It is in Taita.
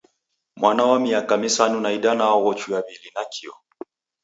Mwana wa miaka misanu na idanaa waghochuya w'ili nakio.